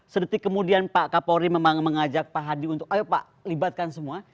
sedetik kemudian pak kapolri memang mengajak pak hadi untuk ayo pak libatkan semua